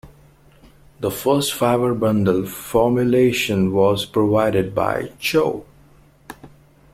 The first fiber bundle formulation was provided by Cho.